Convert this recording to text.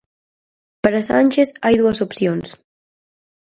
Para Sánchez hai dúas opcións.